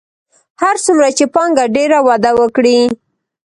هر څومره چې پانګه ډېره وده وکړي